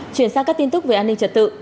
chuyển sang các tin tức về an ninh trật tự